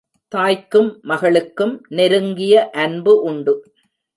தாய்க்கும் மகளுக்கும் நெருங்கிய அன்பு உண்டு.